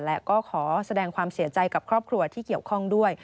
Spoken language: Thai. และก็ขอแสดงความเสียใจกับครอบครัวที่เกี่ยวข้องด้วย